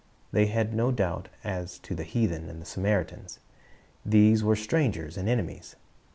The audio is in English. They had no doubt as to the heathen and the Samaritans. These were strangers and enemies.